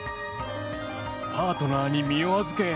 パートナーに身を預け。